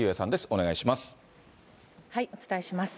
お願いします。